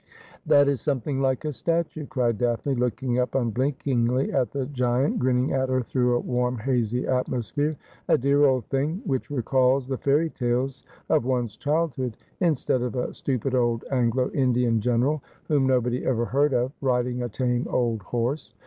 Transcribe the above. ' That is something like a statue,' cried Daphne, looking up unblinkingly at the giant grinning at her through a warm hazy atmosphere. ' A dear old thing which recalls the fairy tales of one's childhood, instead of a stupid old Anglo Indian general, whom nobody ever heard of, riding a tame old horse.